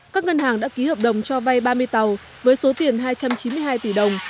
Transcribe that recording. các ngân hàng đã ký hợp đồng cho vay ba mươi tàu với số tiền hai trăm chín mươi hai tỷ đồng